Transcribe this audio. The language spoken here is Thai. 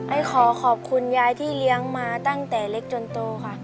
ขอขอบคุณยายที่เลี้ยงมาตั้งแต่เล็กจนโตค่ะ